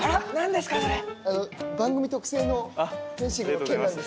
番組特製のフェンシングの剣なんですけど。